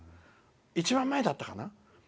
一番前にいたかな。